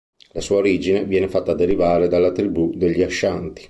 La sua origine viene fatta derivare dalla tribù degli Ashanti.